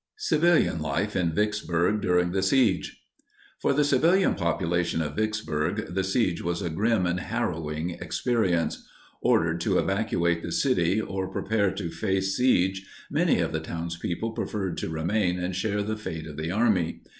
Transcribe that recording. CIVILIAN LIFE IN VICKSBURG DURING THE SIEGE. For the civilian population of Vicksburg, the siege was a grim and harrowing experience. Ordered to evacuate the city or prepare to face siege, many of the townspeople preferred to remain and share the fate of the army.